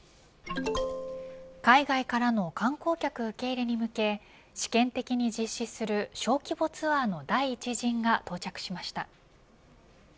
海外からの観光客受け入れに向け試験的に実施する小規模ツアーの第１陣が到着しました。